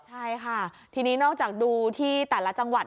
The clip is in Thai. ใช่ค่ะทีนี้นอกจากดูที่แต่ละจังหวัด